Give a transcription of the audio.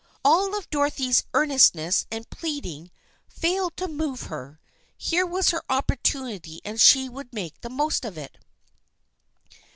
All of Dorothy's earnestness and pleading failed to move her. Here was her opportunity and she would make the most of it.